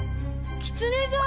キツネさん！